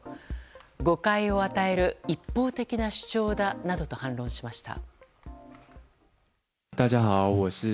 誤解を与える一方的な主張だなどと反論しました。